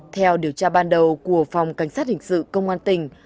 theo điều tra ban đầu của phòng cảnh sát hình sự công an tỉnh